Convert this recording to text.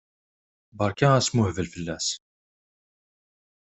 Berka asmuhbel fell-as!